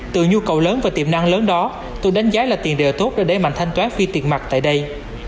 từ nhu cầu lớn và tiềm năng lớn đó tôi đánh giá là tiền đề tốt để đẩy mạnh thanh toán phi tiền mặt tại đây